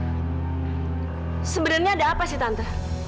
sebenarnya ada apa sih tante